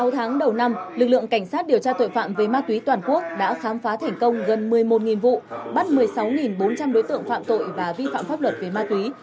sáu tháng đầu năm lực lượng cảnh sát điều tra tội phạm về ma túy toàn quốc đã khám phá thành công gần một mươi một vụ bắt một mươi sáu bốn trăm linh đối tượng phạm tội và vi phạm pháp luật về ma túy